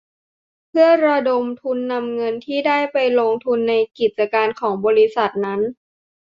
เพื่อระดมทุนนำเงินที่ได้ไปลงทุนในกิจการของบริษัทนั้น